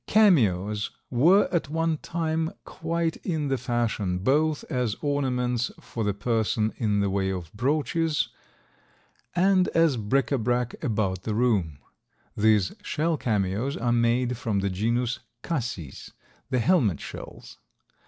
Cameos were at one time quite in the fashion, both as ornaments for the person in the way of brooches, and as bric a brac about the room. These shell cameos are made from the genus Cassis, the helmet shells.